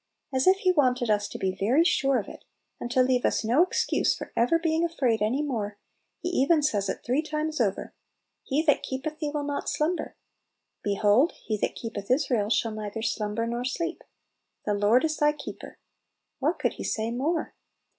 As if He wanted us to be very sure of it, and to leave us no excuse for ever being afraid any more, He even says it three times over, "He that keepeth thee will not slumber." "Behold, He that keepeth Israel shall neither slumber nor sleep. ,: "The Lord is thy Keeper." What could He say more?